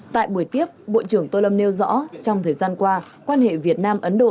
tại buổi tiếp bộ trưởng tô lâm nêu rõ trong thời gian qua quan hệ việt nam ấn độ